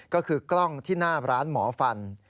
ก็คือกล้องที่หน้าร้านหมอฟัน